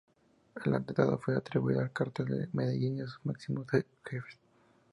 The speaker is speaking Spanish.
El atentado fue atribuido al Cartel de Medellín y a sus máximos jefes.